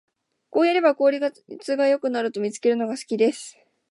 こうやれば効率が良くなると見つけるのが好きです